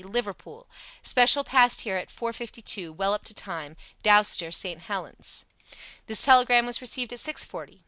Liverpool. Special passed here at 4:52, well up to time. Dowster, St. Helens." This telegram was received at six forty.